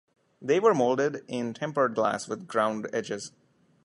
They were molded in tempered glass with ground edges.